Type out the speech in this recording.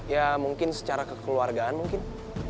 ya mungkin secara kekeluargaan mungkin